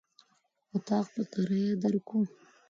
اطاق په کرايه درکوو.